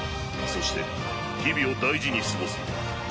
そして日々を大事に過ごすんだ。